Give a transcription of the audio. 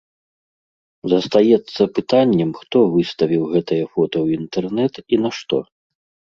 Застаецца пытаннем, хто выставіў гэтае фота ў інтэрнэт і нашто.